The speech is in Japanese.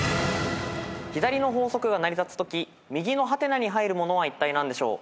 左の法則が成り立つとき右の「？」に入るものはいったい何でしょう。